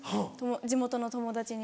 地元の友達に。